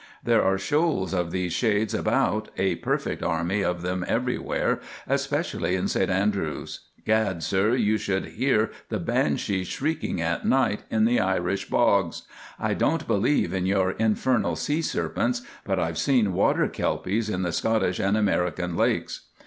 There are shoals of these shades about, a perfect army of them everywhere, especially in St Andrews. Gad, sir, you should hear the banshees shrieking at night in the Irish bogs. I don't believe in your infernal sea serpents, but I've seen water kelpies in the Scottish and American lakes."